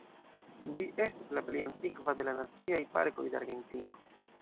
Ĝi estas la plej antikva de la Naciaj Parkoj de Argentino.